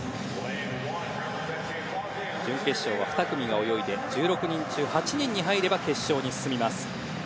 準決勝は２組が泳いで１６人中８人に入れば決勝に進みます。